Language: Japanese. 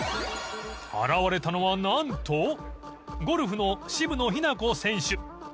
現れたのはなんとゴルフの渋野日向子選手。